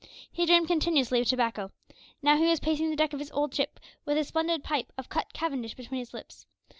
He dreamed continuously of tobacco. Now he was pacing the deck of his old ship with a splendid pipe of cut Cavendish between his lips.